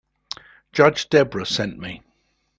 Judge Debra sent me.